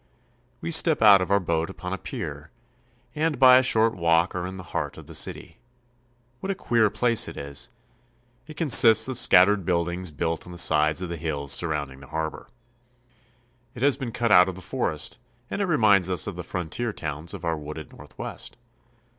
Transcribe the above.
We step out of our boat upon a pier, and by a short walk are in the heart of the city. What a queer place it is ! It consists of scattered buildings built on the sides of the hills surrounding the harbor. It has been cut out of the forest, and it reminds us of the frontier towns of our wooded Northwest.